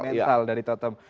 mental dari tottenham